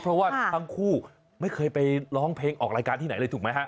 เพราะว่าทั้งคู่ไม่เคยไปร้องเพลงออกรายการที่ไหนเลยถูกไหมฮะ